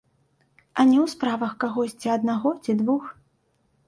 А не ў справах кагосьці аднаго ці двух.